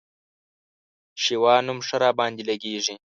شېوان نوم ښه راباندي لګېږي